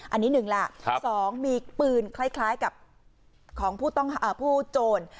อันนี้หนึ่งล่ะ๒มีปืนคล้ายกับของผู้โจร